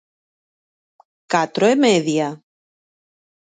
¿Catro e media?